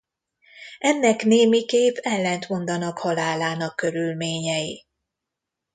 Ennek némiképp ellentmondanak halálának körülményei.